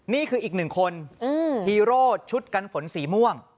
นี่คืออีกหนึ่งคนฮีโร่ชุดกันฝนสีม่วง